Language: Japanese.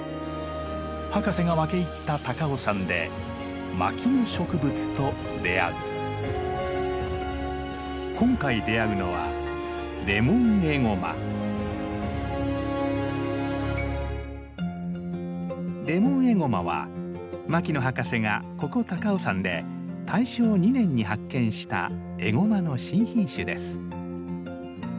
博士が分け入った高尾山で今回出会うのはレモンエゴマは牧野博士がここ高尾山で大正２年に発見したエゴマの新品種です。